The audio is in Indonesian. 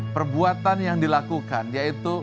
perbuatan yang dilakukan yaitu